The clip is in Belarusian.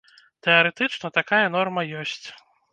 Тэарэтычна, такая норма ёсць.